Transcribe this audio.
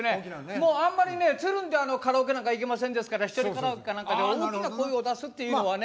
もうあんまりねつるんでカラオケなんか行けませんですから一人カラオケか何かで大きな声を出すっていうのはね。